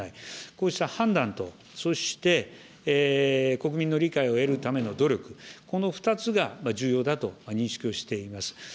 こうした判断と、そして、国民の理解を得るための努力、この２つが重要だと認識をしています。